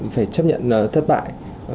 phải chấp nhận thất bại